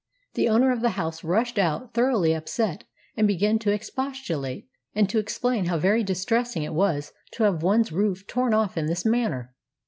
The owner of the house rushed out thoroughly upset and began to expostulate, and to explain how very distressing it was to have one's roof torn off in this manner.